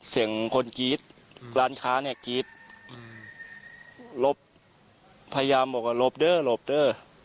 เสียงคนกรี๊ดร้านค้าเนี่ยกรี๊ดหลบพยายามบอกว่าหลบเด้อหลบเด้อ